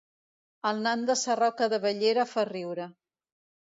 El nan de Sarroca de Bellera fa riure